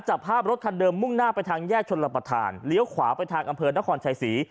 จับภาพรถคันเดิมมุ่งหน้าไปทางแยกชนรับประทานเลี้ยวขวาไปทางอำเภอนครชัยศรี